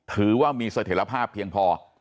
ถือว่ามีเสถียรภาพเพียงพอ